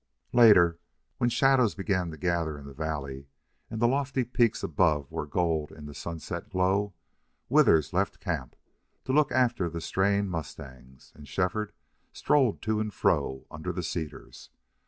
Later, when shadows began to gather in the valley and the lofty peaks above were gold in the sunset glow, Withers left camp to look after the straying mustangs, and Shefford strolled to and fro under the cedars.